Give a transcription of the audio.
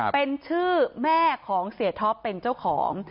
เป็นชื่อแม่ของเสียท็อปเป็นเจ้าของ